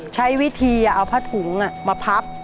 ใช้วิธีเอาผ้าถุงมาพับ